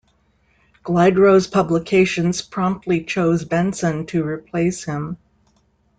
Glidrose Publications promptly chose Benson to replace him.